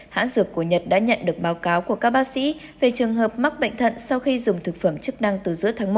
hãng dược của nhật đã nhận được báo cáo của các bác sĩ về trường hợp mắc bệnh thận sau khi dùng thực phẩm chức năng từ giữa tháng một